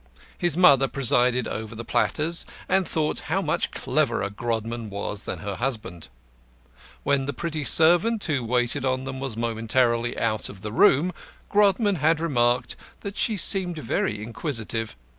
His mother presided over the platters, and thought how much cleverer Grodman was than her husband. When the pretty servant who waited on them was momentarily out of the room, Grodman had remarked that she seemed very inquisitive.